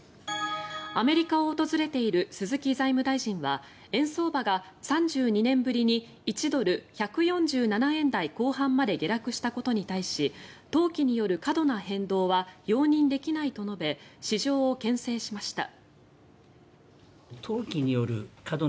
アメリカを訪れている鈴木財務大臣は円相場が３２年ぶりに１ドル＝１４７円台後半まで下落したことに対し投機による過度な変動は容認できないと述べ市場をけん制しました。